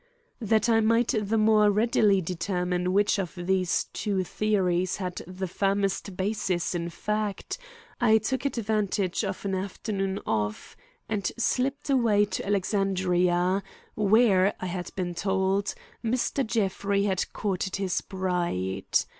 That I might the more readily determine which of these two theories had the firmest basis in fact, I took advantage of an afternoon off and slipped away to Alexandria, where, I had been told, Mr. Jeffrey had courted his bride.